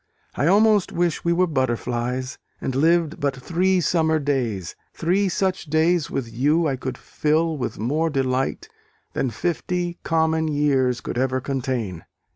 I almost wish we were butterflies, and lived but three summer days three such days with you I could fill with more delight than fifty common years could ever contain."